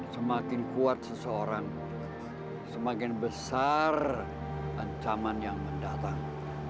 semakin kuat seseorang semakin besar ancaman yang mendatang